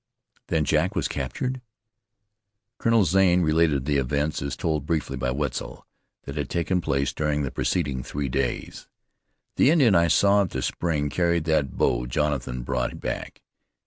"Then Jack was captured?" Colonel Zane related the events, as told briefly by Wetzel, that had taken place during the preceding three days. "The Indian I saw at the spring carried that bow Jonathan brought back.